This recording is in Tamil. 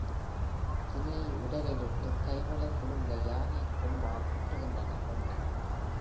தினையை உரலிலிட்டு, கைவளை குலுங்க யானைக் கொம்பால் குற்றுகின்றனர் பெண்டிர்.